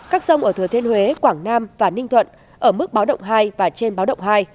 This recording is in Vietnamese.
các sông ở thừa thiên huế quảng nam và ninh thuận ở mức báo động hai và trên báo động hai